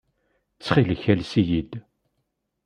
Ttxil-k, ales-iyi-d.